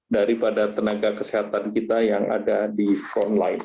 daripada tenaga kesehatan kita yang ada di front line